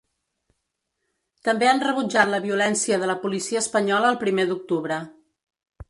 També han rebutjat la violència de la policia espanyola el primer d’octubre.